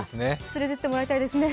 連れていってもらいたいですね。